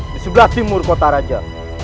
di sebelah timur kota raja